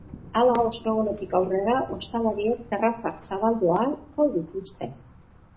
Hala, ostegunetik aurrera, ostalariek terrazak zabaldu ahalko dituzte.